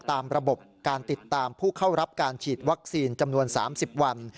ตามระบบการติดตามผู้เข้ารับการฉีดวัคซีนจำนวน๓๐วัน